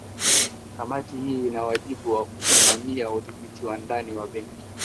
kamati hii ina wajibu wa kusimamia udhibiti wa ndani wa benki